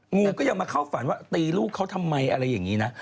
งูก็ยังมาเข้าฝันว่าตีลูกเขาทำไมอะไรอย่างนี้นะ